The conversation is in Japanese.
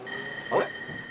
あれ？